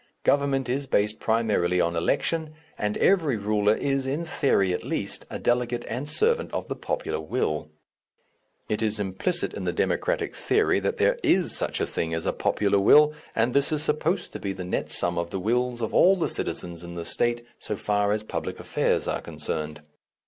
Government is based primarily on election, and every ruler is, in theory at least, a delegate and servant of the popular will. It is implicit in the Democratic theory that there is such a thing as a popular will, and this is supposed to be the net sum of the wills of all the citizens in the State, so far as public affairs are concerned.